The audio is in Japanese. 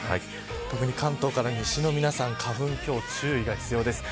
特に関東から西の皆さん花粉、今日注意が必要です。